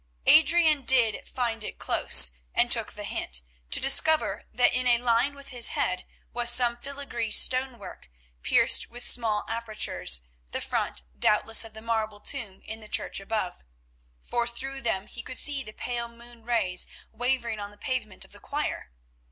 Adrian did find it close, and took the hint, to discover that in a line with his head was some filigree stonework, pierced with small apertures, the front doubtless of the marble tomb in the church above, for through them he could see the pale moon rays wavering on the pavement of the choir.